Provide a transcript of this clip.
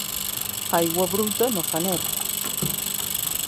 Aigua bruta no fa net.